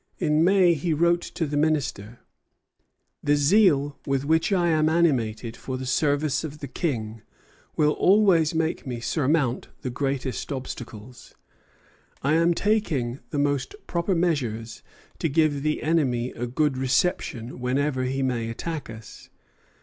In May he wrote to the Minister: "The zeal with which I am animated for the service of the King will always make me surmount the greatest obstacles. I am taking the most proper measures to give the enemy a good reception whenever he may attack us.